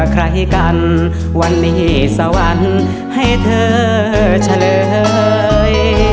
ใครกันวันนี้สวรรค์ให้เธอเฉลย